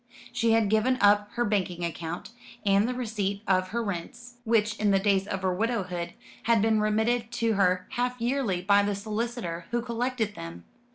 She had given up her banking account, and the receipt of her rents, which in the days of her widowhood had been remitted to her half yearly by the solicitor who collected them.